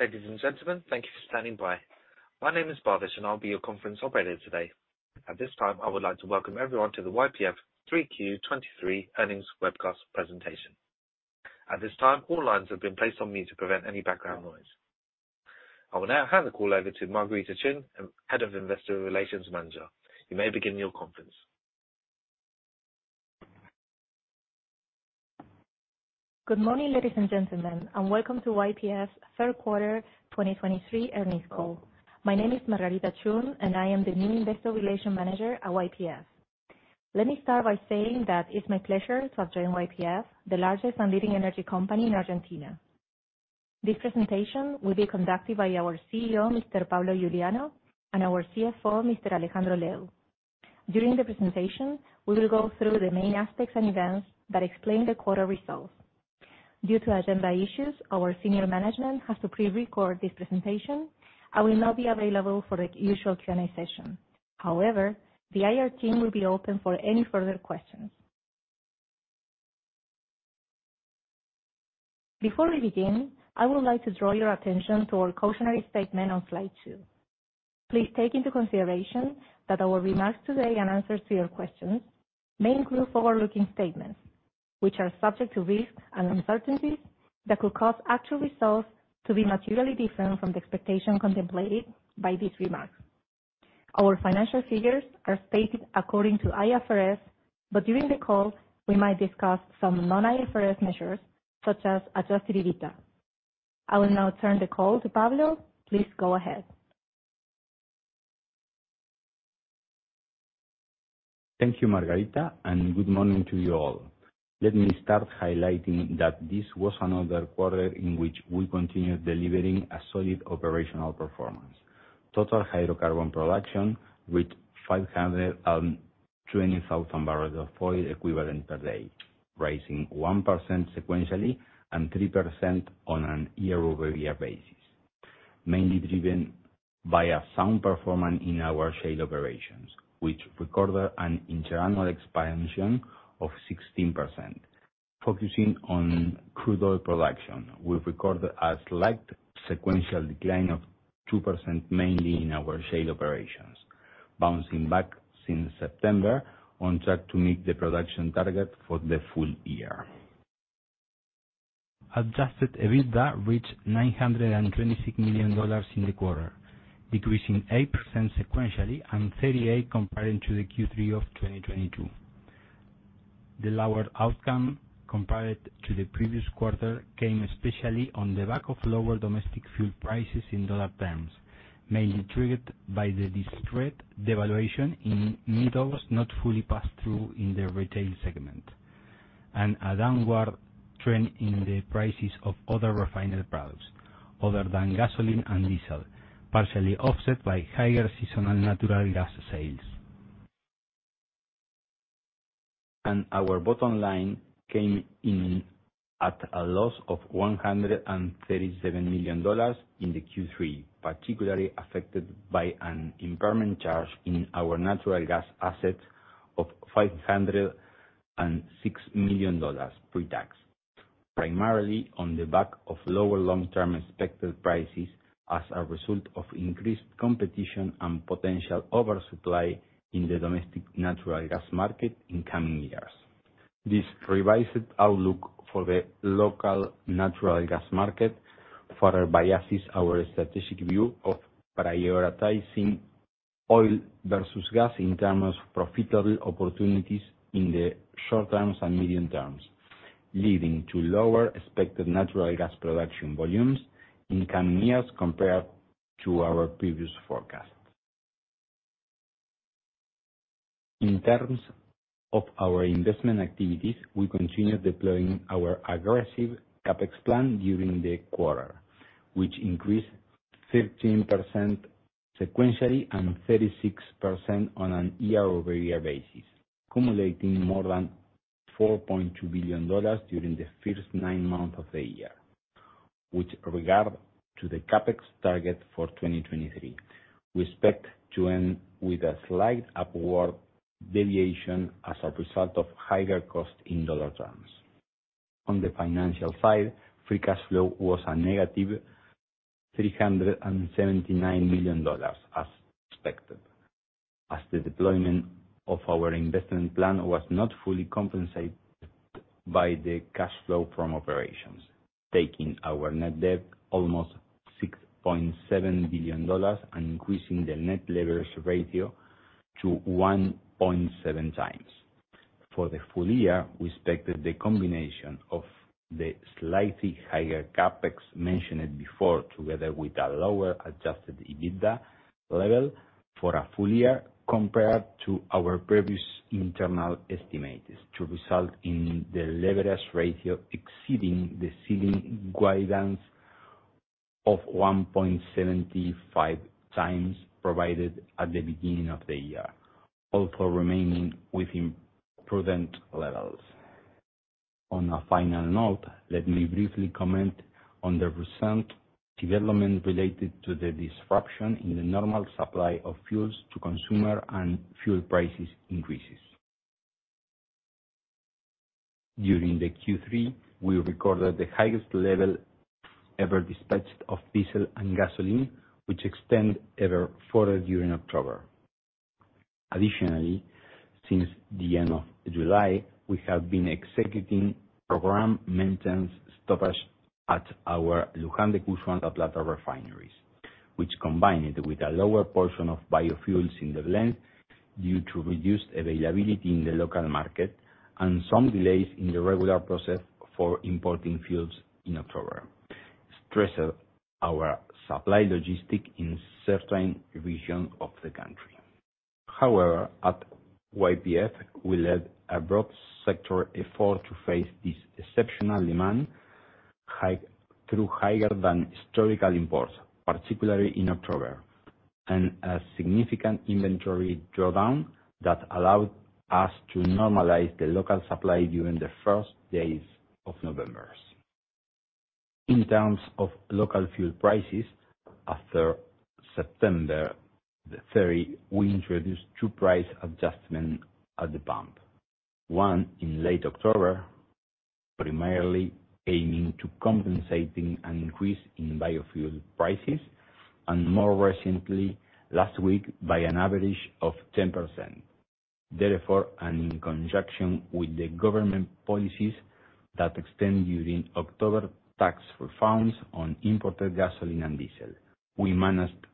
Ladies and gentlemen, thank you for standing by. My name is Bhavish, and I'll be your conference operator today. At this time, I would like to welcome everyone to the YPF 3Q 2023 Earnings Webcast presentation. At this time, all lines have been placed on mute to prevent any background noise. I will now hand the call over to Margarita Chun, Head of Investor Relations Manager. You may begin your conference. Good morning, ladies and gentlemen, and welcome to YPF's third quarter 2023 earnings call. My name is Margarita Chun, and I am the new Investor Relations Manager at YPF. Let me start by saying that it's my pleasure to have joined YPF, the largest and leading energy company in Argentina. This presentation will be conducted by our CEO, Mr. Pablo Iuliano, and our CFO, Mr. Alejandro Lew. During the presentation, we will go through the main aspects and events that explain the quarter results. Due to agenda issues, our senior management has to pre-record this presentation and will not be available for the usual Q&A session. However, the IR team will be open for any further questions. Before we begin, I would like to draw your attention to our cautionary statement on slide two. Please take into consideration that our remarks today and answers to your questions may include forward-looking statements, which are subject to risks and uncertainties that could cause actual results to be materially different from the expectation contemplated by these remarks. Our financial figures are stated according to IFRS, but during the call, we might discuss some non-IFRS measures, such as Adjusted EBITDA. I will now turn the call to Pablo. Please go ahead. Thank you, Margarita, and good morning to you all. Let me start highlighting that this was another quarter in which we continued delivering a solid operational performance. Total hydrocarbon production with 520,000 barrels of oil equivalent per day, rising 1% sequentially and 3% on a year-over-year basis, mainly driven by a sound performance in our shale operations, which recorded an internal expansion of 16%. Focusing on crude oil production, we've recorded a slight sequential decline of 2%, mainly in our shale operations, bouncing back since September, on track to meet the production target for the full year. Adjusted EBITDA reached $926 million in the quarter, decreasing 8% sequentially and 38% compared to the Q3 of 2022. The lower outcome compared to the previous quarter came especially on the back of lower domestic fuel prices in dollar terms, mainly triggered by the discrete devaluation in mid-August, not fully passed through in the retail segment, and a downward trend in the prices of other refinery products, other than gasoline and diesel, partially offset by higher seasonal natural gas sales. Our bottom line came in at a loss of $137 million in the Q3, particularly affected by an impairment charge in our natural gas assets of $506 million pre-tax, primarily on the back of lower long-term expected prices as a result of increased competition and potential oversupply in the domestic natural gas market in coming years. This revised outlook for the local natural gas market further biases our strategic view of prioritizing oil versus gas in terms of profitable opportunities in the short terms and medium terms, leading to lower expected natural gas production volumes in coming years compared to our previous forecast. In terms of our investment activities, we continue deploying our aggressive CapEx plan during the quarter, which increased 13% sequentially and 36% on a year-over-year basis, accumulating more than $4.2 billion during the first nine months of the year. With regard to the CapEx target for 2023, we expect to end with a slight upward deviation as a result of higher cost in dollar terms. On the financial side, Free Cash Flow was a negative $379 million, as expected, as the deployment of our investment plan was not fully compensated by the cash flow from operations, taking our Net Debt almost $6.7 billion and increasing the Net Leverage Ratio to 1.7x. For the full year, we expect that the combination of the slightly higher CapEx mentioned before, together with a lower Adjusted EBITDA level for a full year compared to our previous internal estimates, to result in the leverage ratio exceeding the ceiling guidance of 1.75 times, provided at the beginning of the year, also remaining within prudent levels. On a final note, let me briefly comment on the recent development related to the disruption in the normal supply of fuels to consumer and fuel prices increases. During the Q3, we recorded the highest level ever dispatched of diesel and gasoline, which extended even further during October. Additionally, since the end of July, we have been executing program maintenance stoppage at our Luján de Cuyo and La Plata refineries, which combined with a lower portion of biofuels in the blend due to reduced availability in the local market and some delays in the regular process for importing fuels in October, stressed our supply logistic in certain regions of the country. However, at YPF, we led a broad sector effort to face this exceptional demand high, through higher than historical imports, particularly in October, and a significant inventory drawdown that allowed us to normalize the local supply during the first days of November. In terms of local fuel prices, after September 3, we introduced two price adjustments at the pump. One in late October, primarily aiming to compensating an increase in biofuel prices, and more recently, last week, by an average of 10%. Therefore, and in conjunction with the government policies that extend during October, tax refunds on imported gasoline and diesel, we managed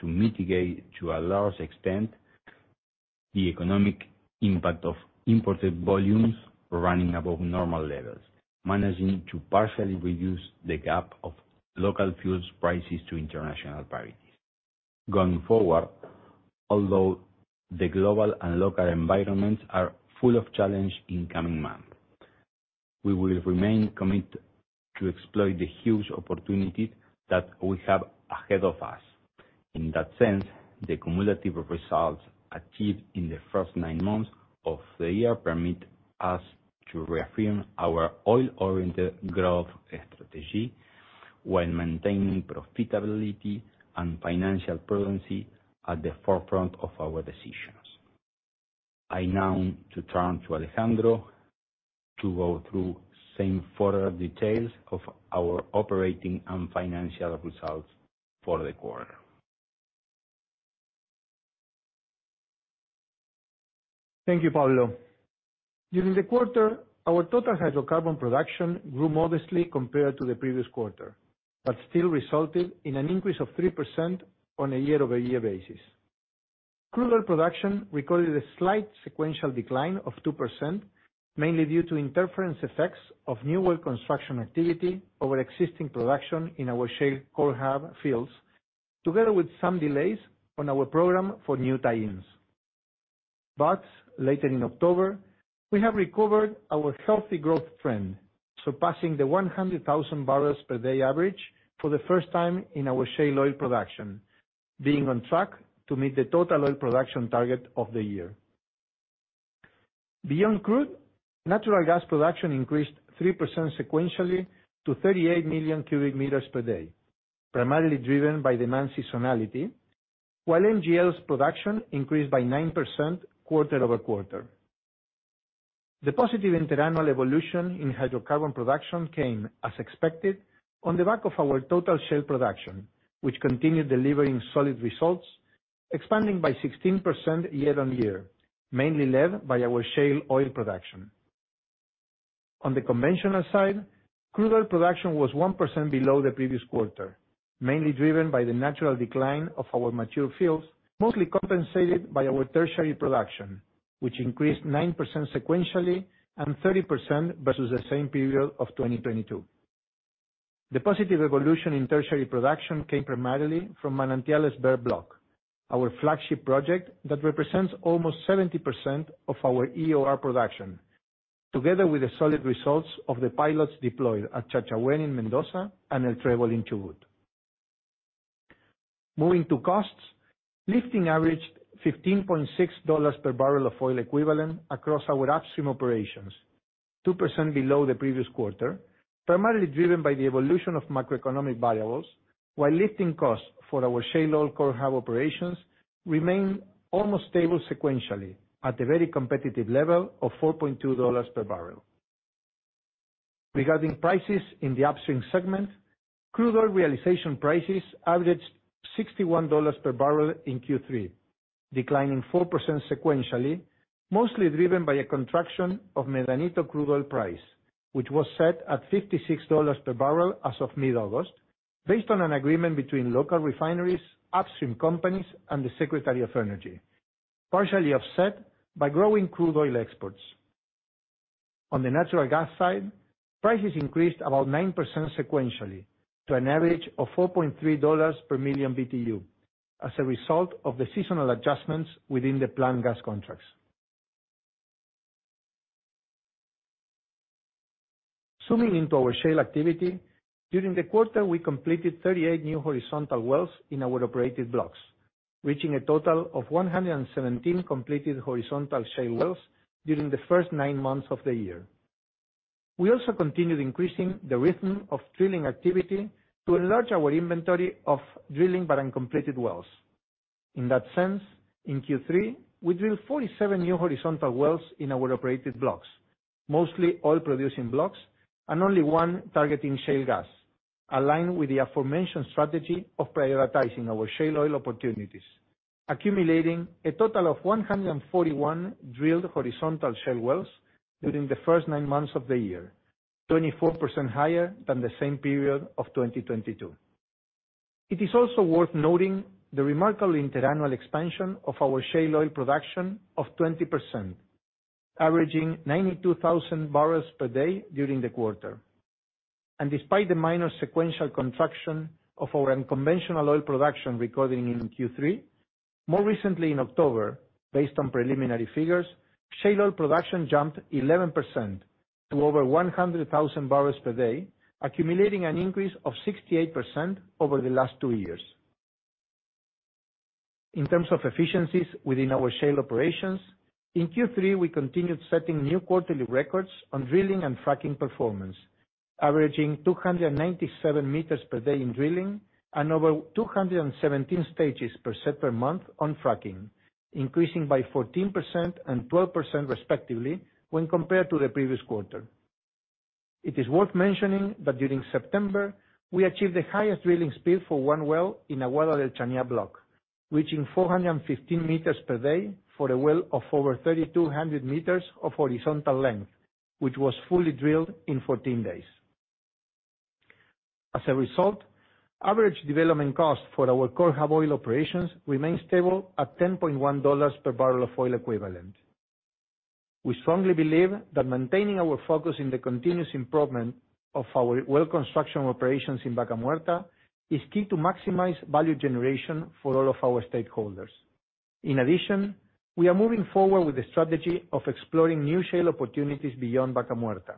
to mitigate, to a large extent, the economic impact of imported volumes running above normal levels, managing to partially reduce the gap of local fuels prices to international parities. Going forward, although the global and local environments are full of challenge in coming months, we will remain committed to exploit the huge opportunities that we have ahead of us. In that sense, the cumulative results achieved in the first nine months of the year permit us to reaffirm our oil-oriented growth strategy, while maintaining profitability and financial prudence at the forefront of our decisions. I now turn to Alejandro to go through some further details of our operating and financial results for the quarter. Thank you, Pablo. During the quarter, our total hydrocarbon production grew modestly compared to the previous quarter, but still resulted in an increase of 3% on a year-over-year basis. Crude oil production recorded a slight sequential decline of 2%, mainly due to interference effects of new well construction activity over existing production in our Shale Core Hub fields, together with some delays on our program for new tie-ins. But later in October, we have recovered our healthy growth trend, surpassing the 100,000 barrels per day average for the first time in our shale oil production, being on track to meet the total oil production target of the year. Beyond crude, natural gas production increased 3% sequentially to 38 million cubic meters per day, primarily driven by demand seasonality, while NGLs production increased by 9% quarter-over-quarter. The positive interannual evolution in hydrocarbon production came, as expected, on the back of our total shale production, which continued delivering solid results, expanding by 16% year on year, mainly led by our shale oil production. On the conventional side, crude oil production was 1% below the previous quarter, mainly driven by the natural decline of our mature fields, mostly compensated by our tertiary production, which increased 9% sequentially and 30% versus the same period of 2022. The positive evolution in tertiary production came primarily from Manantiales Behr block, our flagship project that represents almost 70% of our EOR production, together with the solid results of the pilots deployed at Chachahuen in Mendoza and El Trébol in Chubut. Moving to costs, lifting averaged $15.6 per barrel of oil equivalent across our upstream operations, 2% below the previous quarter, primarily driven by the evolution of macroeconomic variables, while lifting costs for our Shale Core Hub operations remained almost stable sequentially at a very competitive level of $4.2 per barrel. Regarding prices in the upstream segment, crude oil realization prices averaged $61 per barrel in Q3, declining 4% sequentially, mostly driven by a contraction of Medanito crude oil price, which was set at $56 per barrel as of mid-August, based on an agreement between local refineries, upstream companies, and the Secretary of Energy, partially offset by growing crude oil exports. On the natural gas side, prices increased about 9% sequentially to an average of $4.3 per million BTU, as a result of the seasonal adjustments within the planned gas contracts. Zooming into our shale activity, during the quarter, we completed 38 new horizontal wells in our operated blocks, reaching a total of 117 completed horizontal shale wells during the first nine months of the year. We also continued increasing the rhythm of drilling activity to enlarge our inventory of drilled but uncompleted wells. In that sense, in Q3, we drilled 47 new horizontal wells in our operated blocks, mostly oil-producing blocks, and only one targeting shale gas, aligned with the aforementioned strategy of prioritizing our shale oil opportunities, accumulating a total of 141 drilled horizontal shale wells during the first nine months of the year, 24% higher than the same period of 2022. It is also worth noting the remarkable interannual expansion of our shale oil production of 20%, averaging 92,000 barrels per day during the quarter. Despite the minor sequential contraction of our unconventional oil production recording in Q3, more recently in October, based on preliminary figures, shale oil production jumped 11% to over 100,000 barrels per day, accumulating an increase of 68% over the last two years. In terms of efficiencies within our shale operations, in Q3, we continued setting new quarterly records on drilling and fracking performance, averaging 297 meters per day in drilling and over 217 stages per set per month on fracking, increasing by 14% and 12% respectively when compared to the previous quarter. It is worth mentioning that during September, we achieved the highest drilling speed for one well in Aguada del Chañar block, reaching 415 meters per day for a well of over 3,200 meters of horizontal length, which was fully drilled in 14 days. As a result, average development cost for our core hub oil operations remains stable at $10.1 per barrel of oil equivalent. We strongly believe that maintaining our focus in the continuous improvement of our well construction operations in Vaca Muerta is key to maximize value generation for all of our stakeholders. In addition, we are moving forward with the strategy of exploring new shale opportunities beyond Vaca Muerta.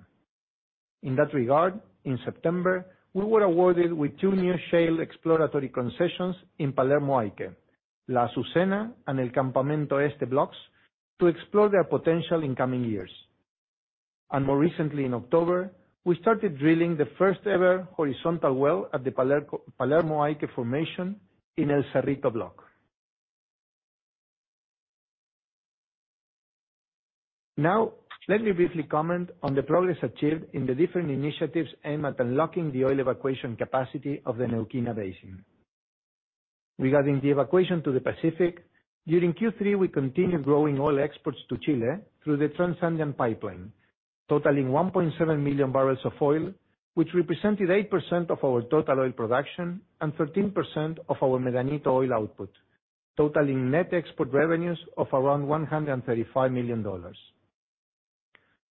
In that regard, in September, we were awarded with two new shale exploratory concessions in Palermo Aike, La Azucena, and El Campamento Este blocks, to explore their potential in coming years. More recently, in October, we started drilling the first-ever horizontal well at the Palermo Aike formation in El Cerrito block. Now, let me briefly comment on the progress achieved in the different initiatives aimed at unlocking the oil evacuation capacity of the Neuquén Basin. Regarding the evacuation to the Pacific, during Q3, we continued growing oil exports to Chile through the Trans-Andean Pipeline, totaling 1.7 million barrels of oil, which represented 8% of our total oil production and 13% of our Medanito oil output, totaling net export revenues of around $135 million.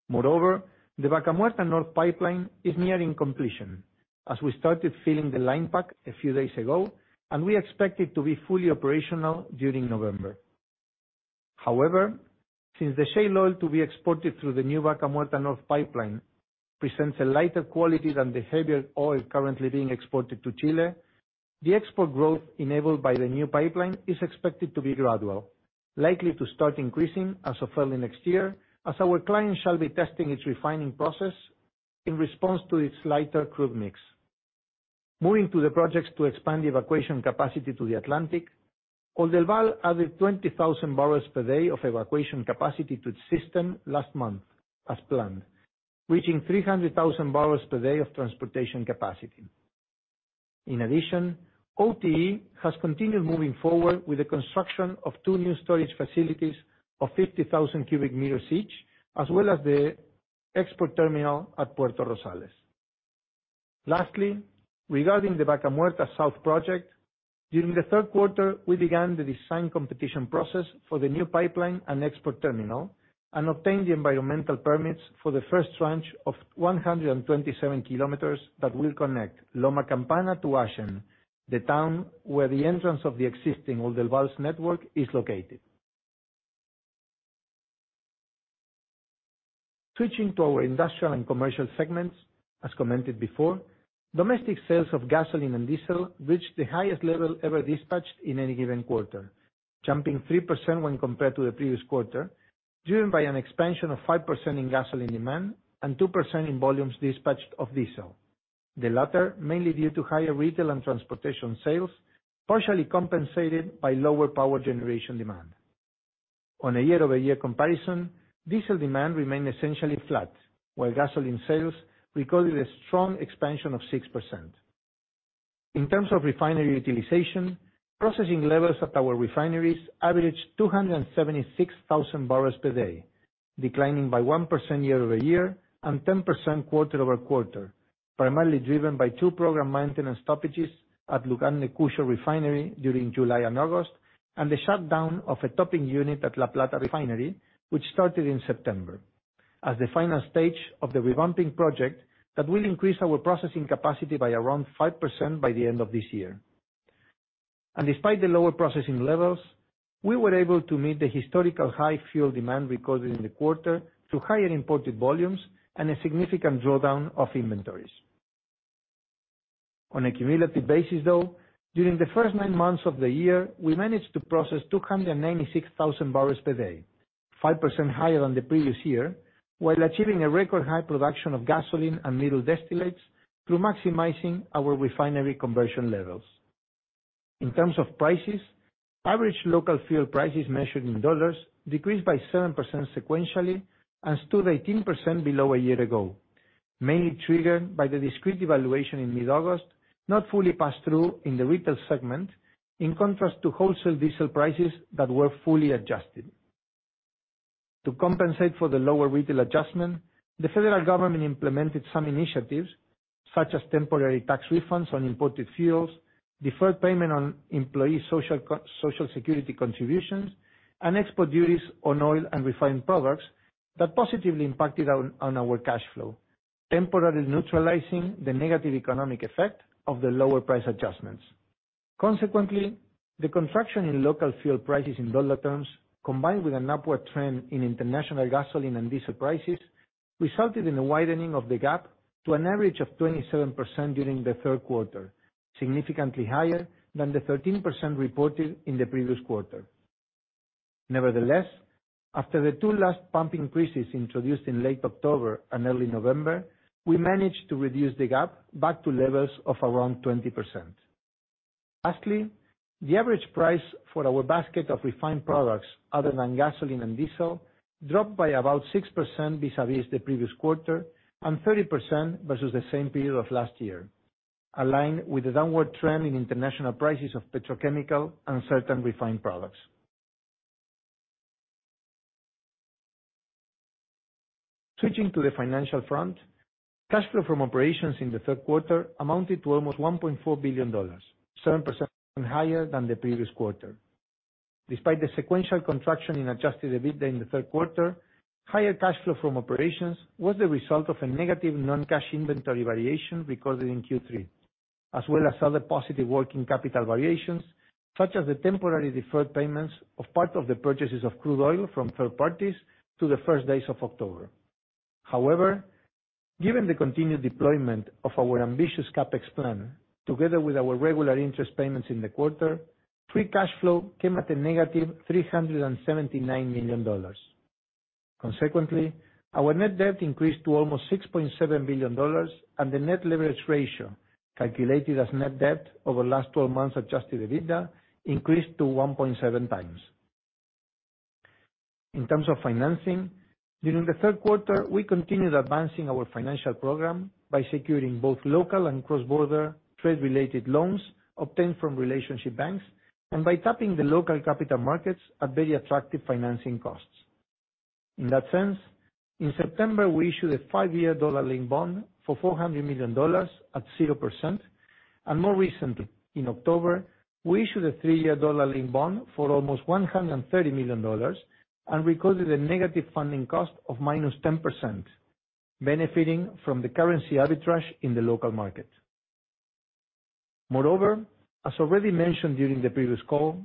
Moreover, the Vaca Muerta North Pipeline is nearing completion, as we started filling the line pack a few days ago, and we expect it to be fully operational during November. However, since the shale oil to be exported through the new Vaca Muerta North Pipeline presents a lighter quality than the heavier oil currently being exported to Chile, the export growth enabled by the new pipeline is expected to be gradual, likely to start increasing as of early next year, as our client shall be testing its refining process in response to its lighter crude mix. Moving to the projects to expand the evacuation capacity to the Atlantic, Oldelval added 20,000 barrels per day of evacuation capacity to its system last month, as planned, reaching 300,000 barrels per day of transportation capacity. In addition, OTE has continued moving forward with the construction of two new storage facilities of 50,000 cubic meters each, as well as the export terminal at Puerto Rosales. Lastly, regarding the Vaca Muerta South project, during the third quarter, we began the design competition process for the new pipeline and export terminal, and obtained the environmental permits for the first tranche of 127 km that will connect Loma Campana to Achén, the town where the entrance of the existing Oldelval's network is located. Switching to our industrial and commercial segments, as commented before, domestic sales of gasoline and diesel reached the highest level ever dispatched in any given quarter, jumping 3% when compared to the previous quarter, driven by an expansion of 5% in gasoline demand and 2% in volumes dispatched of diesel. The latter, mainly due to higher retail and transportation sales, partially compensated by lower power generation demand. On a year-over-year comparison, diesel demand remained essentially flat, while gasoline sales recorded a strong expansion of 6%. In terms of refinery utilization, processing levels at our refineries averaged 276,000 barrels per day, declining by 1% year-over-year and 10% quarter-over-quarter, primarily driven by two program maintenance stoppages at Luján de Cuyo refinery during July and August, and the shutdown of a topping unit at La Plata refinery, which started in September, as the final stage of the revamping project that will increase our processing capacity by around 5% by the end of this year. Despite the lower processing levels, we were able to meet the historical high fuel demand recorded in the quarter through higher imported volumes and a significant drawdown of inventories. On a cumulative basis, though, during the first nine months of the year, we managed to process 296,000 barrels per day, 5% higher than the previous year, while achieving a record high production of gasoline and middle distillates through maximizing our refinery conversion levels. In terms of prices, average local fuel prices measured in dollars decreased by 7% sequentially and stood 18% below a year ago, mainly triggered by the discrete devaluation in mid-August, not fully passed through in the retail segment, in contrast to wholesale diesel prices that were fully adjusted. To compensate for the lower retail adjustment, the federal government implemented some initiatives, such as temporary tax refunds on imported fuels, deferred payment on employee social security contributions, and export duties on oil and refined products that positively impacted on our cash flow, temporarily neutralizing the negative economic effect of the lower price adjustments. Consequently, the contraction in local fuel prices in dollar terms, combined with an upward trend in international gasoline and diesel prices, resulted in a widening of the gap to an average of 27% during the third quarter, significantly higher than the 13% reported in the previous quarter. Nevertheless, after the two last pump increases introduced in late October and early November, we managed to reduce the gap back to levels of around 20%. Lastly, the average price for our basket of refined products, other than gasoline and diesel, dropped by about 6% vis-a-vis the previous quarter and 30% versus the same period of last year, aligned with the downward trend in international prices of petrochemical and certain refined products. Switching to the financial front, cash flow from operations in the third quarter amounted to almost $1.4 billion, 7% higher than the previous quarter. Despite the sequential contraction in Adjusted EBITDA in the third quarter, higher cash flow from operations was the result of a negative non-cash inventory variation recorded in Q3, as well as other positive working capital variations, such as the temporary deferred payments of part of the purchases of crude oil from third parties to the first days of October. However, given the continued deployment of our ambitious CapEx plan, together with our regular interest payments in the quarter, Free Cash Flow came at -$379 million. Consequently, our net debt increased to almost $6.7 billion, and the Net Leverage Ratio, calculated as net debt over the last 12 months Adjusted EBITDA, increased to 1.7x. In terms of financing, during the third quarter, we continued advancing our financial program by securing both local and cross-border trade-related loans obtained from relationship banks, and by tapping the local capital markets at very attractive financing costs. In that sense, in September, we issued a five-year dollar-linked bond for $400 million at 0%, and more recently, in October, we issued a three-year dollar-linked bond for almost $130 million, and recorded a negative funding cost of -10%, benefiting from the currency arbitrage in the local market. Moreover, as already mentioned during the previous call,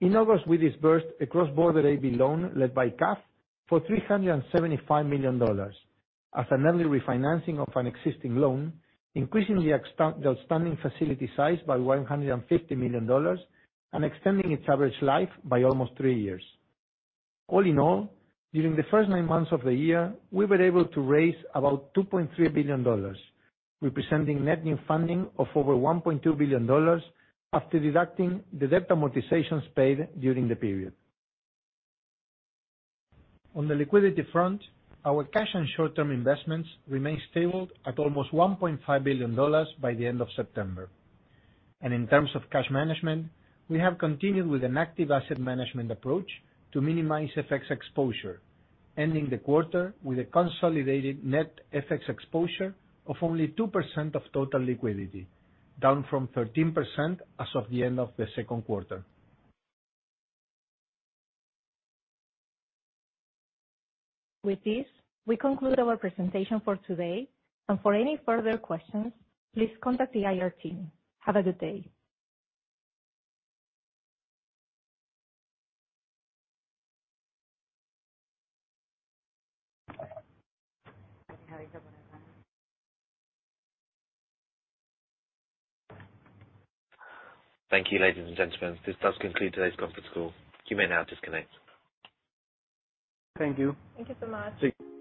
in August, we disbursed a cross-border A/B loan led by CAF for $375 million as an early refinancing of an existing loan, increasing the outstanding facility size by $150 million and extending its average life by almost three years. All in all, during the first nine months of the year, we were able to raise about $2.3 billion, representing net new funding of over $1.2 billion after deducting the debt amortizations paid during the period. On the liquidity front, our cash and short-term investments remained stable at almost $1.5 billion by the end of September. In terms of cash management, we have continued with an active asset management approach to minimize FX exposure, ending the quarter with a consolidated net FX exposure of only 2% of total liquidity, down from 13% as of the end of the second quarter. With this, we conclude our presentation for today, and for any further questions, please contact the IR team. Have a good day! Thank you, ladies and gentlemen. This does conclude today's conference call. You may now disconnect. Thank you. Thank you so much. See you.